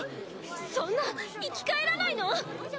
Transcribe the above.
そんな⁉生き返らないの⁉